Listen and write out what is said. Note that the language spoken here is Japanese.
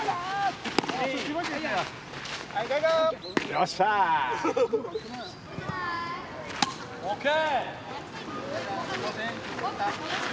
よっしゃあ！ＯＫ！